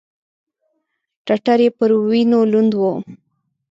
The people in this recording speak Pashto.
ټټر يې پر وينو لوند و.